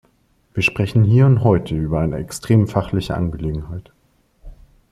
Wir sprechen hier und heute über eine extrem fachliche Angelegenheit.